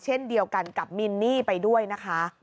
เช่นเดียวกันกับมินนี่ไปด้วยนะคะ